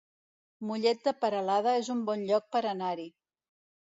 Mollet de Peralada es un bon lloc per anar-hi